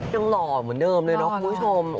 หล่อเหมือนเดิมเลยเนาะคุณผู้ชม